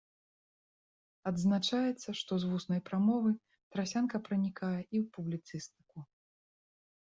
Адзначаецца, што з вуснай прамовы трасянка пранікае і ў публіцыстыку.